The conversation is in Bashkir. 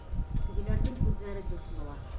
Тегеләрҙең күҙҙәре дүрт була.